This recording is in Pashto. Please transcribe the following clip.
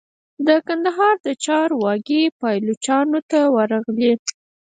د کندهار د چارو واګي پایلوچانو ته ورغلې.